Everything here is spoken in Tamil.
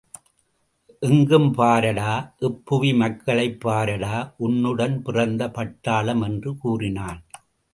எங்கும் பாரடா இப்புவி மக்களைப் பாரடா உன்னுடன் பிறந்த பட்டாளம்! என்று கூறினான்.